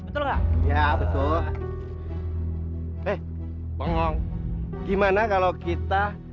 baik jangan lupa